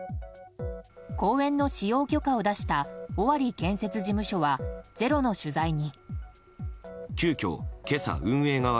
公園の使用許可を出した尾張建設事務所は「ｚｅｒｏ」の取材に。